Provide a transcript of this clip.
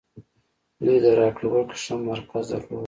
دوی د راکړې ورکړې ښه مرکز درلود.